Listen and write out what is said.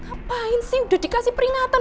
ngapain sih udah dikasih peringatan